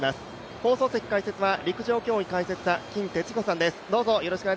放送席解説は陸上競技解説者、金哲彦さんです。